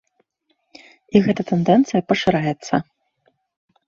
І гэта тэндэнцыя пашыраецца.